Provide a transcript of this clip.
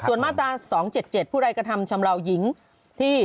ส่วนมาตรา๒๗๗บาทผู้รายกระทำชำลาวยิงที่